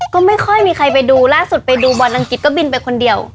ก็ไม่ค่อยมีใครไปดูล่าสุดไปดูบอลอังกฤษก็บินไปคนเดียว